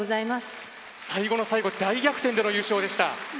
最後の最後、大逆転での優勝でした。